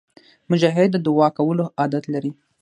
مجاهد د دعا کولو عادت لري.